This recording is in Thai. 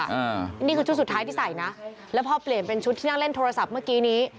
อันนี้คือชุดสุดท้ายที่ใส่นะแล้วพอเปลี่ยนเป็นชุดที่นั่งเล่นโทรศัพท์เมื่อกี้นี้